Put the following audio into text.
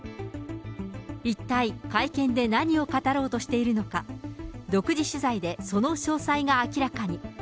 一体会見で何を語ろうとしているのか、独自取材で、その詳細が明らかに。